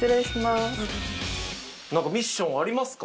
何かミッションありますか？